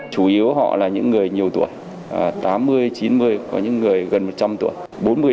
chủ yếu họ là những người nhiều tuổi tám mươi chín mươi có những người gần một trăm linh tuổi